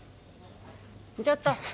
ちょっと！